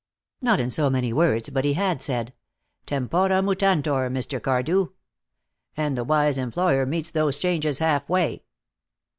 Not in so many words, but he had said: "Tempora mutantur, Mr. Cardew. And the wise employer meets those changes half way."